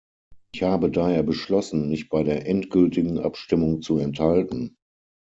Ich habe daher beschlossen, mich bei der endgültigen Abstimmung zu enthalten.